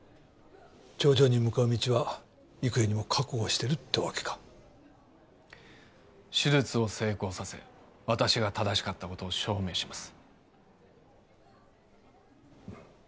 頂上に向かう道は幾重にも確保してるってわけか手術を成功させ私が正しかったことを証明します